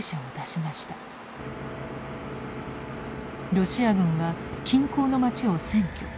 ロシア軍は近郊の町を占拠。